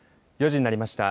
４時になりました。